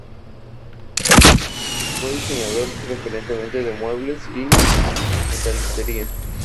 Fue diseñador preferentemente de muebles y metalistería.